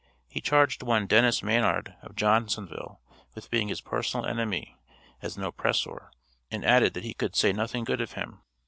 He charged one Dennis Mannard, of Johnsonville, with being his personal enemy as an oppressor, and added that he could "say nothing good of him."